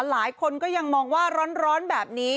หลายคนก็ยังมองว่าร้อนแบบนี้